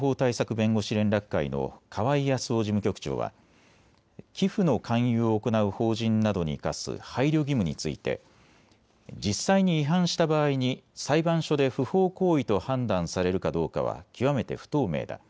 弁護士連絡会の川井康雄事務局長は寄付の勧誘を行う法人などに課す配慮義務について実際に違反した場合に裁判所で不法行為と判断されるかどうかは極めて不透明だ。